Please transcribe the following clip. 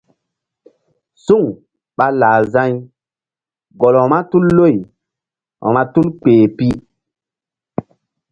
Suŋ ɓa lah za̧y gɔl vba tul loy vba tul kpeh pi.